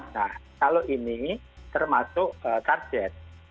nah kalau ini termasuk target